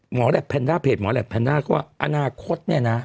หมอแลพแพนด้าเพจหมอแลพแพนด้าก็อาณาคตเนี่ยนะ